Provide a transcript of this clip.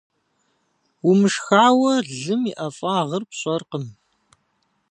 Умышхауэ, лым и ӀэфӀагъыр пщӀэркъым.